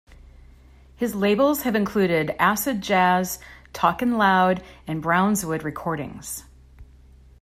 His labels have included Acid Jazz, Talkin' Loud, and Brownswood Recordings.